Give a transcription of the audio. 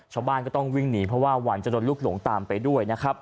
ชาวบ้านก็ต้องวิ่งหนีเพราะว่าหวั่นจะโดนลูกหลงตามไปด้วยนะครับ